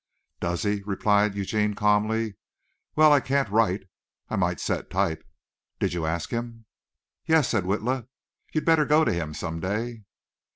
"Does he?" replied Eugene calmly. "Well, I can't write. I might set type. Did you ask him?" "Yes," said Witla. "You'd better go to him some day."